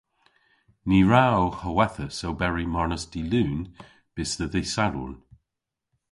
Ny wra ow howethas oberi marnas dy' Lun bys dhe dh'y Sadorn.